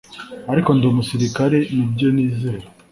ariko ndi umusirikare, nibyo nizera